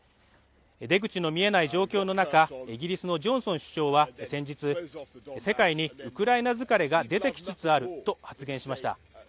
出口の見えない状況の中、イギリスのジョンソン首相は先日、世界にウクライナ疲れが出てきつつあると発言しました。